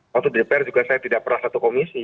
waktu dpr juga saya tidak pernah satu komisi